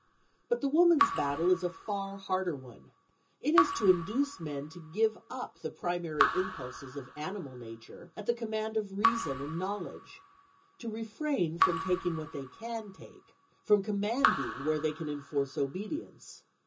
But the women's battle is a far harder one: it is to induce men to give up the primary impulses of animal nature at the command of reason and knowledge; to refrain from taking what they can take, from commanding where they can enforce obedience.